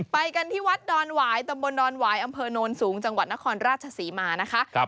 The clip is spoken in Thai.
ไปกันที่วัดดอนหวายตำบลดอนหวายอำเภอโนนสูงจังหวัดนครราชศรีมานะคะ